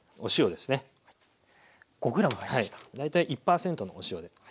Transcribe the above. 大体１％のお塩で。